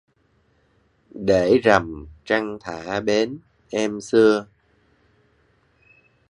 Để rằm trăng thả bến em xưa